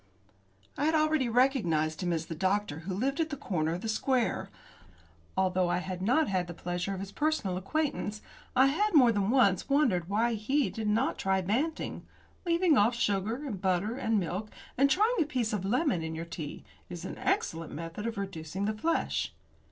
I had already recognised him as the doctor who lived at the corner of the square. Although I had not the pleasure of his personal acquaintance, I had more than once wondered why he did not try Banting. Leaving off sugar, and butter, and milk, and trying a piece of lemon in your tea, is an excellent method of reducing the flesh.